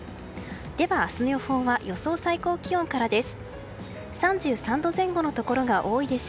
では明日の予報は予想最高気温からです。